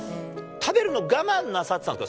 食べるの我慢なさってたんですか？